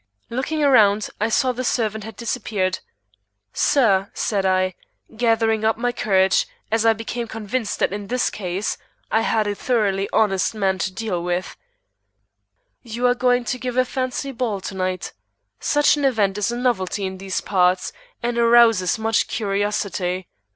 Looking around, I saw the servant had disappeared. "Sir," said I, gathering up my courage, as I became convinced that in this case I had a thoroughly honest man to deal with, "you are going to give a fancy ball to night. Such an event is a novelty in these parts, and arouses much curiosity.